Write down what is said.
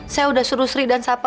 saya sudah suruh sri dan sapa